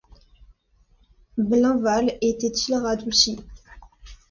Blainval était-il radouci ?